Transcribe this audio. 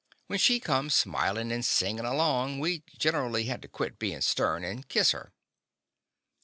When she come smilin' and singin' along we generally had to quit bein' stem, and kiss her.